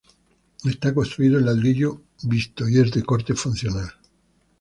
Está construido en ladrillo visto y es de corte funcional.